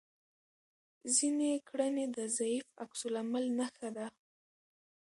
ځینې کړنې د ضعیف عکس العمل نښه ده.